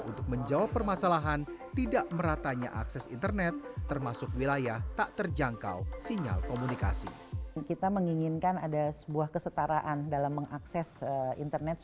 untuk menjaga kemudian melakukan dan menjaga kemampuan internet